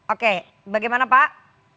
oke bagaimana pak